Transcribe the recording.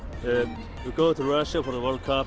kita pergi ke rusia untuk world cup